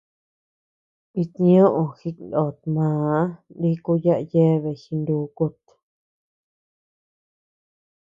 It ñoʼö jiknot màa niku yaʼa yeabea jinukut.